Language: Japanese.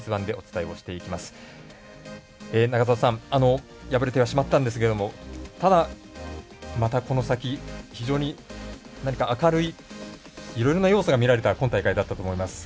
永里さん敗れてはしまいましたが、この先非常に何か明るいいろいろな要素が見られた今大会だったと思います。